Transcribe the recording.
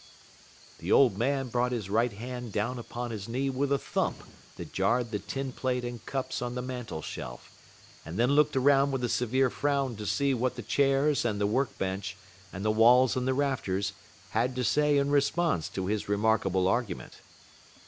The old man brought his right hand down upon his knee with a thump that jarred the tin plate and cups on the mantel shelf, and then looked around with a severe frown to see what the chairs and the work bench, and the walls and the rafters, had to say in response to his remarkable argument.